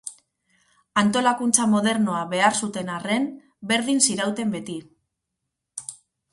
Antolakuntza modernoa behar zuten arren, berdin zirauten beti.